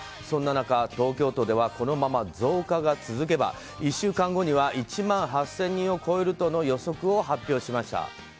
そんな中東京都ではこのまま増加が続けば１週間後には１万８０００人を超えるとの予測を発表しました。